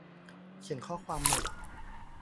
เขียนข้อความใหม่